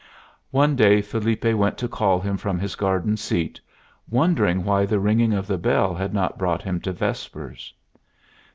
One day Felipe went to call him from his garden seat, wondering why the ringing of the bell had not brought him to vespers.